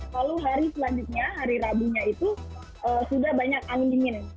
lalu hari selanjutnya hari rabunya itu sudah banyak angin dingin